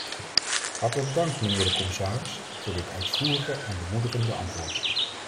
Hartelijk dank, mijnheer de commissaris, voor dit uitvoerige en bemoedigende antwoord.